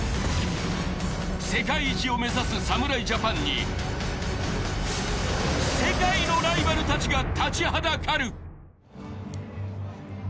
世界一を目指す侍ジャパンに世界のライバルたちが立ちはだかる。